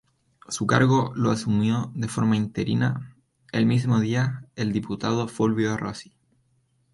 Su cargo lo asumió de forma interina el mismo día el diputado Fulvio Rossi.